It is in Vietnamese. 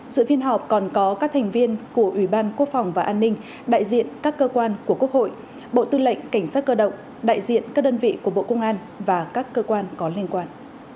dự phiên họp còn có các thành viên của ủy ban quốc phòng và an ninh đại diện các cơ quan của quốc hội bộ tư lệnh cảnh sát cơ động đại diện các đơn vị của bộ công an và các cơ quan có liên quan